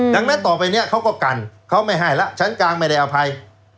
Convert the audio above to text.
ดังนั้นต่อไปเนี่ยเขาก็กันเขาไม่ให้แล้วชั้นกลางไม่ได้อภัย